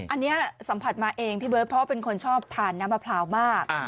อันนี้สัมผัสมาเองพี่เบิร์ตเพราะเป็นคนชอบทานน้ำมะพร้าวมาก